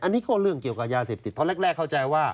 อันนี้ก็เรื่องเกี่ยวกับยาเสพติดตอนแรกเข้าใจว่า